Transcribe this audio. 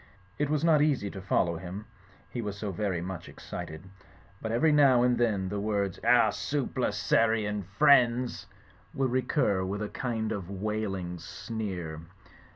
It was not easy to follow him, he was so very much excited ; but every now and then the words "our Sublapsarian »2 ....... .'..THE .FLYING INN friends*' would recur with a kind of wailing sneer.